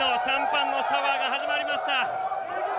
世界一のシャンパンのシャワーが始まりました！